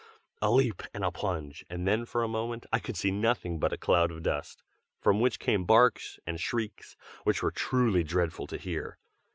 a leap and a plunge, and then for a moment I could see nothing but a cloud of dust, from which came barks and shrieks which were truly dreadful to hear.